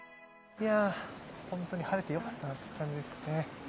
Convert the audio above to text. いやほんとに晴れてよかったなって感じですよね。